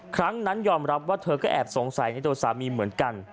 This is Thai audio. ครั้งนั้นยอมรับว่าเธอก็แอบสงสัยในตัวสามีเหมือนกัน